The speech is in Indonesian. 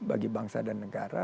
bagi bangsa dan negara